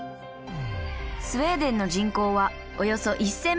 スウェーデンの人口はおよそ１，０００万人。